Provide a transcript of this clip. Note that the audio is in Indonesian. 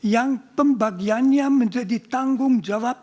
yang pembagiannya menjadi tanggung jawab